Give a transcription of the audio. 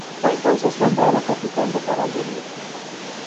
Fue entonces nombrado capitán de Caballería.